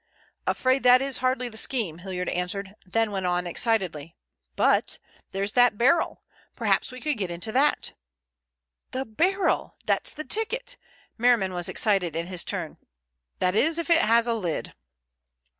"Afraid that is hardly the scheme," Hilliard answered, then went on excitedly: "But, there's that barrel! Perhaps we could get into that." "The barrel! That's the ticket." Merriman was excited in his turn. "That is, if it has a lid."